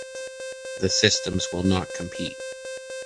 The systems will not compete.